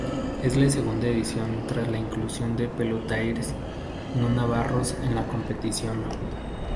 Es la segunda edición tras la inclusión de pelotaris no navarros en la competición.